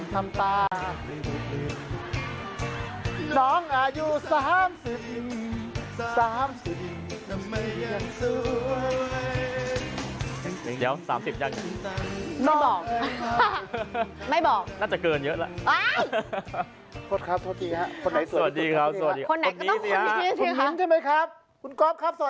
เธอไม่ติดตามได้ไงคะเราอยู่รายการเดียวกัน